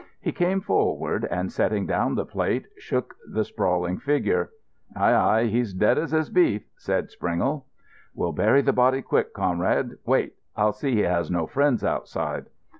He came forward and, setting down the plate, shook the sprawling figure. "Aye, aye, he's dead as his beef," said Springle. "We'll bury the body quick, Conrad. Wait. I'll see he has no friends outside."